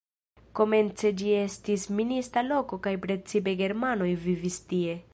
Komence ĝi estis minista loko kaj precipe germanoj vivis tie.